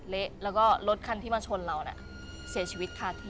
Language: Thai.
เละแล้วก็รถคันที่มาชนเราน่ะเสียชีวิตคาที่